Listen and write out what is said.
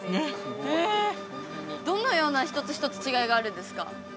へえどのような一つ一つ違いがあるんですか？